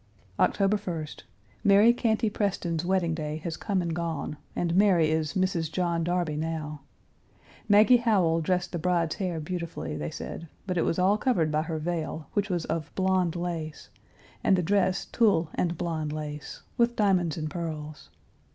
October 1st. Mary Cantey Preston's wedding day has come and gone and Mary is Mrs. John Darby now. Maggie Howell dressed the bride's hair beautifully, they said, but it was all covered by her veil, which was of blond lace, and the dress tulle and blond lace, with diamonds and pearls.